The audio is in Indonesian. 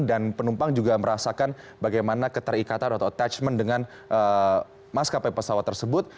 dan penumpang juga merasakan bagaimana keterikatan atau attachment dengan mas kapai pesawat tersebut